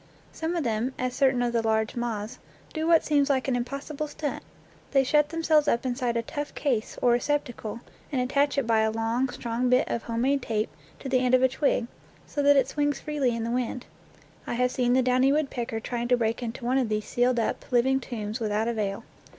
Some of them, as certain of the large moths, do what seems like an impossible stunt: they shut themselves up inside a tough case, or receptacle, and attach it by a long, strong bit of home made tape to the end of a twig, so that it swings freely in the wind. I have seen the downy woodpecker trying to break into one of these sealed up, living tombs without avail.